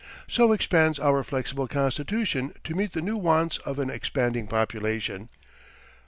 So expands our flexible constitution to meet the new wants of an expanding population.